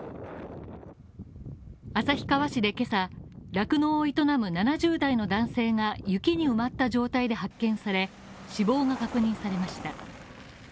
旭川市でけさ、酪農を営む７０代の男性が雪に埋まった状態で発見され、死亡が確認されました。